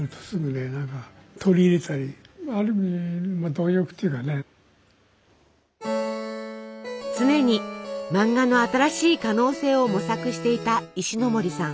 そのころから常に漫画の新しい可能性を模索していた石森さん。